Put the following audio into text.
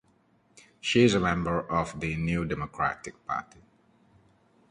She is a member of the New Democratic Party.